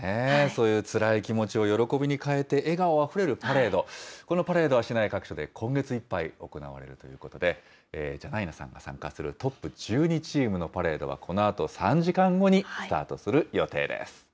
そういうつらい気持ちを喜びに変えて、笑顔あふれるパレード、このパレードは市内各所で、今月いっぱい行われるということで、ジャナイナさんも参加する、トップ１２チームのパレードはこのあと３時間後にスタートする予定です。